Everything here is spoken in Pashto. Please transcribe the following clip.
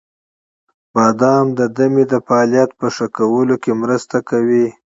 • بادام د دمه د فعالیت په ښه کولو کې مرسته کوي.